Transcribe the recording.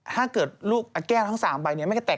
ถ้าเกิดลูกแก้วทั้ง๓ใบนี้ไม่ได้แตกกระจาย